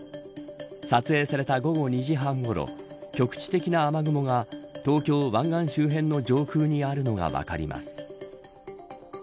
撮影された午後２時半ごろ局地的な雨雲が東京・湾岸周辺の上空にあるのが分かります。